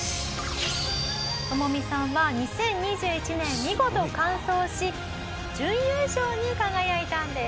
トモミさんは２０２１年見事完走し準優勝に輝いたんです。